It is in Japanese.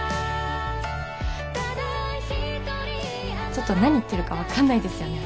ちょっと何言ってるか分かんないですよね